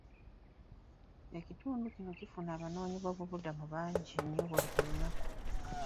Ekitundu kino kifuna abanoonyiboobubudamu bangi nnyo buli lunaku.